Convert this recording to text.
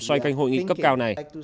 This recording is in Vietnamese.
xoay canh hội nghị cấp cao này